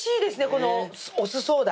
このお酢ソーダ。